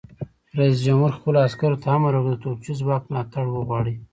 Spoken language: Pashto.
رئیس جمهور خپلو عسکرو ته امر وکړ؛ د توپچي ځواک ملاتړ وغواړئ!